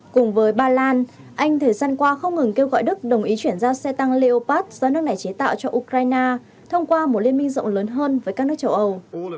cùng với ba lan anh thời gian qua không ngừng kêu gọi đức đồng ý chuyển giao xe tăng leopat do nước này chế tạo cho ukraine thông qua một liên minh rộng lớn hơn với các nước châu âu